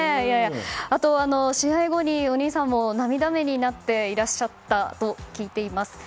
あとは試合後にお兄さんも涙目になっていらっしゃったと聞いています。